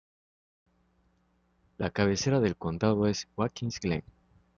La cabecera del condado es Watkins Glen.